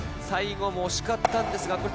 最後も惜しかったんですが。